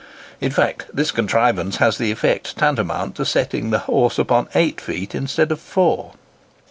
In fact, this contrivance has an effect tantamount to setting the horse upon eight feet instead of four.